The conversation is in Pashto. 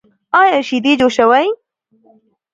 ایا شیدې جوشوئ؟